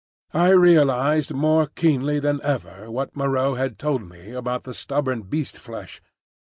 I realised more keenly than ever what Moreau had told me about the "stubborn beast flesh."